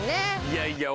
いやいや。